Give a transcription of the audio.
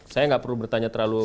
saya nggak perlu bertanya terlalu